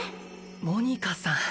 モニカさん